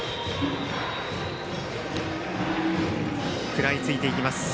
食らいついていきます。